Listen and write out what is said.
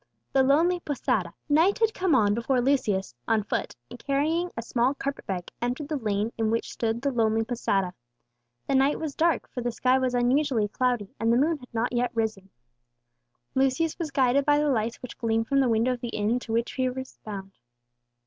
THE LONELY POSADA. Night had come on before Lucius, on foot, and carrying a small carpet bag, entered the lane in which stood the lonely posada. The night was dark, for the sky was unusually cloudy, and the moon had not yet risen. Lucius was guided by the lights which gleamed from the window of the inn to which he was bound.